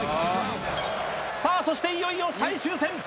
さあそしていよいよ最終戦。